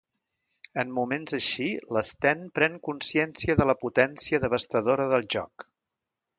En moments així l'Sten pren consciència de la potència devastadora del joc.